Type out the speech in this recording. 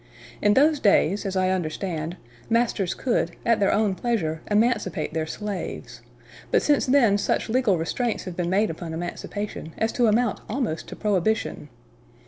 In those days, as I understand, masters could, at their own pleasure, emancipate their slaves; but since then such legal restraints have been made upon emancipation as to amount almost to prohibition.